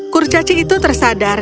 kurcaci itu tersadar